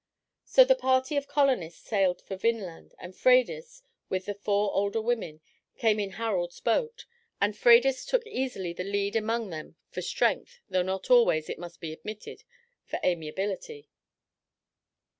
So the party of colonists sailed for Vinland, and Freydis, with the four older women, came in Harald's boat, and Freydis took easily the lead among them for strength, though not always, it must be admitted, for amiability.